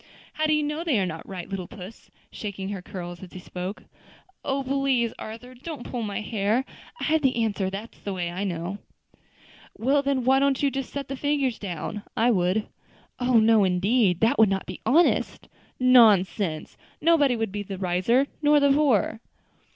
"How do you know they are not right, little puss?" shaking her curls as he spoke. "Oh! please, Arthur, don't pull my hair. I have the answer that's the way I know." "Well, then, why don't you just set the figures down. I would." "Oh! no, indeed; that would not be honest." "Pooh! nonsense! nobody would be the wiser, nor the poorer."